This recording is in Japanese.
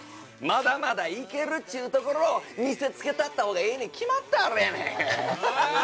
まだまだいけるっちゅうところを見せつけたったほうがええに決ま